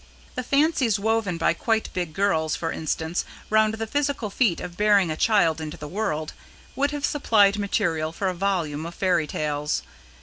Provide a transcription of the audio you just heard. The fancies woven by quite big girls, for instance, round the physical feat of bringing a child into the world, would have supplied material for a volume of fairytales.